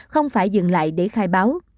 không phải dừng lại để khai báo